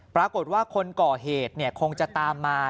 ปรากฏว่าคนก่อเหตุคงจะตามมา